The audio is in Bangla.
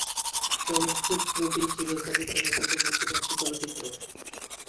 চলচ্চিত্রটি ছিল শাকিব খানের প্রথম মুক্তিপ্রাপ্ত চলচ্চিত্র।